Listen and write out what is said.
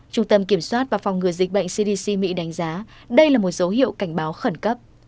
trung tâm kiểm soát và phòng ngừa dịch bệnh cdc mỹ đánh giá đây là một dấu hiệu cảnh báo khẩn cấp